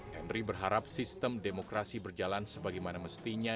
henry berharap sistem demokrasi berjalan sebagaimana mestinya